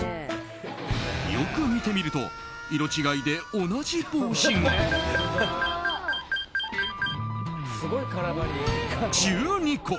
よく見てみると色違いで同じ帽子が１２個。